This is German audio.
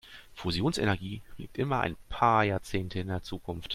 Fusionsenergie liegt immer ein paar Jahrzehnte in der Zukunft.